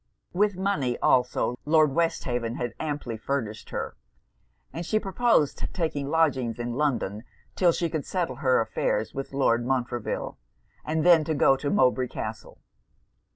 With money, also, Lord Westhaven had amply furnished her; and she proposed taking lodgings in London, 'till she could settle her affairs with Lord Montreville; and then to go to Mowbray Castle.